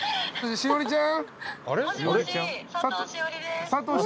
栞里ちゃん。